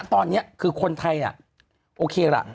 ตอนนี้คือคนไทยโอเคล่ะ